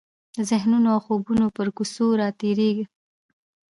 د ذهنونو او خوبونو پر کوڅو راتیریدمه